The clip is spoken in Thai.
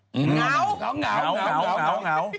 เหงา